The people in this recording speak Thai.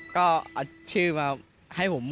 ก็เอาชื่อมาให้ผมมั่วเลย